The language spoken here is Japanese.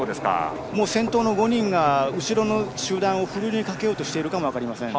先頭の５人が後ろの集団を振るいかけようとしているかも分かりませんね。